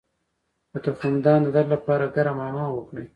د تخمدان د درد لپاره ګرم حمام وکړئ